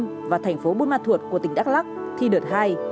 đà nẵng một số địa phương ở thành phố buôn ma thuột của tỉnh đắk lắc thi đợt hai